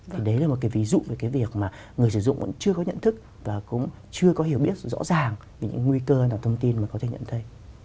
thì đấy là một cái ví dụ về cái việc mà người sử dụng vẫn chưa có nhận thức và cũng chưa có hiểu biết rõ ràng về những nguy cơ là thông tin mà có thể nhận thấy